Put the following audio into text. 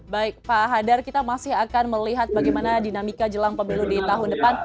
baik pak hadar kita masih akan melihat bagaimana dinamika jelang pemilu di tahun depan